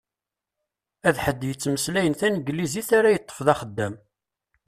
D ḥedd yettmeslayen taneglizit ara yeṭṭef d axeddam.